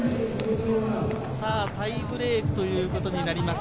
タイブレークということになります。